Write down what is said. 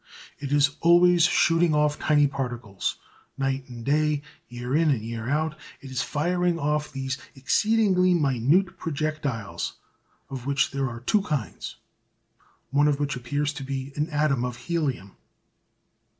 It is always shooting off tiny particles. Night and day, year in and year out, it is firing off these exceedingly minute projectiles, of which there are two kinds, one of which appears to be atoms of helium.